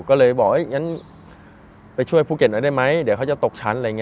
เกาเลยบอกไปช่วยภูเก็ตหน้าได้ไหมเดี๋ยวจะตกชั้น